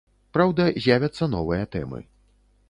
Праўда, з'явяцца новыя тэмы.